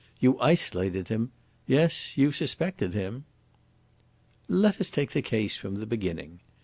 You isolated him. Yes, you suspected him." "Let us take the case from the beginning.